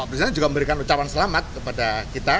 presiden juga memberikan ucapan selamat kepada kita